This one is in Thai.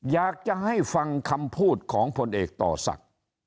อยากจะให้ฟังคำพูดของผลเอกต่อศักดิ์